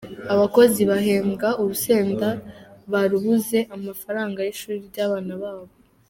abakozi bahembwa urusenda barabuze amafr y’ishuri ry’abana babo ?